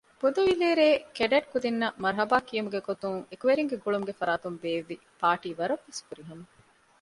ބުދަވިލޭރޭ ކެޑެޓް ކުދިންނަށް މަރުޙަބާ ކިޔުމުގެ ގޮތުން އެކުވެރިންގެ ގުޅުމުގެ ފަރާތުން ބޭއްވި ޕާރޓީ ވަރަށް ވެސް ފުރިހަމަ